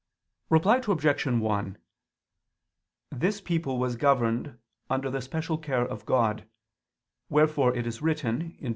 Reply Obj. 1: This people was governed under the special care of God: wherefore it is written (Deut.